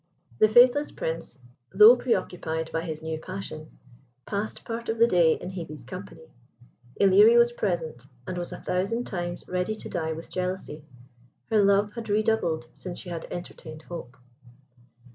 The faithless Prince, though pre occupied by his new passion, passed part of the day in Hebe's company. Ilerie was present, and was a thousand times ready to die with jealousy. Her love had redoubled since she had entertained hope.